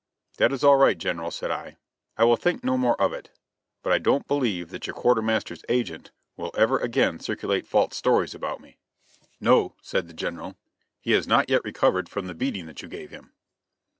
"That is all right, General," said I; "I will think no more of it. But I don't believe that your quartermaster's agent will ever again circulate false stories about me." "No," said the General; "he has not yet recovered from the beating that you gave him."